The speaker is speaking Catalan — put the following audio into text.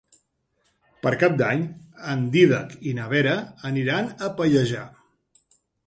Per Cap d'Any en Dídac i na Vera aniran a Pallejà.